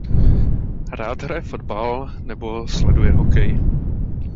Rád hraje fotbal nebo sleduje hokej.